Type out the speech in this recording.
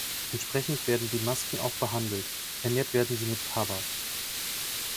Dementsprechend werden die Masken auch behandelt; "ernährt" werden sie mit Tabak.